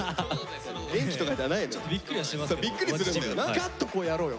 ガッとこうやろうよ！